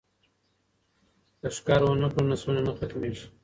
که ښکار ونه کړو نو نسلونه نه ختمیږي.